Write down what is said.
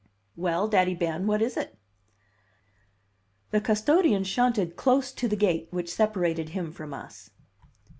"Well, Daddy Ben, what is it?" The custodian shunted close to the gate which separated him from us.